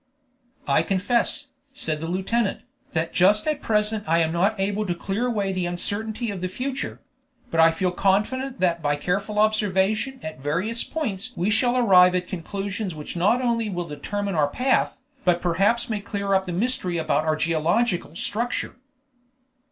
"I confess," said the lieutenant, "that just at present I am not able to clear away the uncertainty of the future; but I feel confident that by careful observation at various points we shall arrive at conclusions which not only will determine our path, but perhaps may clear up the mystery about our geological structure."